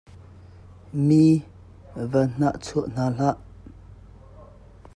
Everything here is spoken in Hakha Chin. Mi va hnahchuah hna hlah.